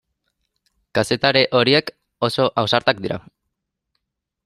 Kazetari horiek oso ausartak dira.